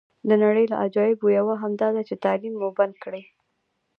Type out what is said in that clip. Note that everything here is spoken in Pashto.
د نړۍ له عجایبو یوه هم داده چې تعلیم مو بند کړی.